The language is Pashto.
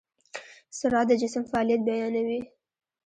سرعت د جسم فعالیت بیانوي.